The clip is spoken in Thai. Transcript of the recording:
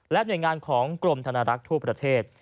หน่วยงานของกรมธนรักษ์ทั่วประเทศ